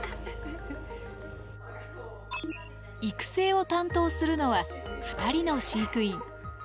育成を担当するのは２人の飼育員。